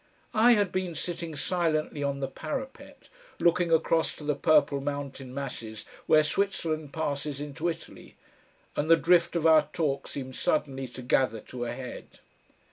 I had been sitting silently on the parapet, looking across to the purple mountain masses where Switzerland passes into Italy, and the drift of our talk seemed suddenly to gather to a head.